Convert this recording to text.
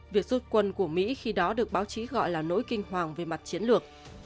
việc rút quân của mỹ khi đó được báo chí gọi là nỗi kinh hoàng về mặt chiến lược